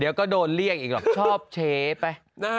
เดี๋ยวก็โดนเรียกอีกหรอกชอบเชไป